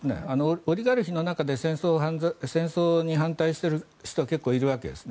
オリガルヒの中で戦争に反対している人は結構いるわけですね。